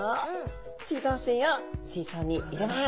水道水を水槽に入れます。